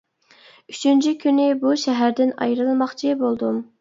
ئۈچىنچى كۈنى بۇ شەھەردىن ئايرىلماقچى بولدۇم.